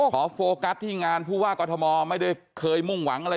โฟกัสที่งานผู้ว่ากรทมไม่ได้เคยมุ่งหวังอะไร